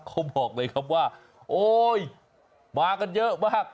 เขาบอกเลยครับว่าโอ๊ยมากันเยอะมาก